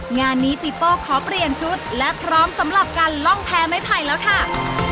งานนี้ปีโป้ขอเปลี่ยนชุดและพร้อมสำหรับการล่องแพ้ไม้ไผ่แล้วค่ะ